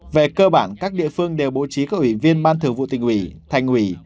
về cơ bản các địa phương đều bố trí các ủy viên ban thường vụ tỉnh ủy thành ủy